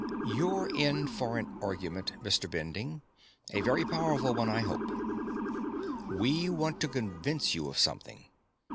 "You're in for an argument, Mr. Bending. A very powerful one, I hope. We want to convince you of something."